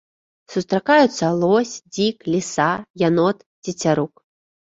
Сустракаюцца лось, дзік, ліса, янот, цецярук.